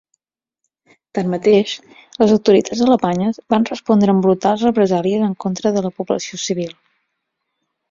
Tanmateix, les autoritats alemanyes van respondre amb brutals represàlies en contra de la població civil.